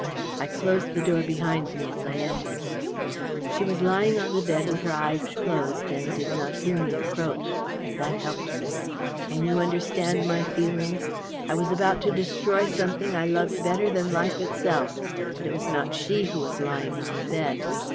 I closed the door behind me as I entered. "She was lying on the bed with her eyes closed, and did not hear me approach. That helped me. Can you understand my feelings. I was about to destroy something I loved better than life itself, but it was not she who was lying on the bed.